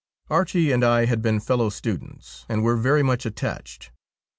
Archie and I had been fellow students and were very much attached.